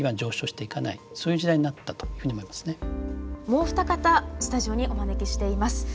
もうお二方スタジオにお招きしています。